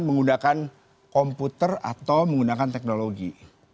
menggunakan komputer atau menggunakan teknologi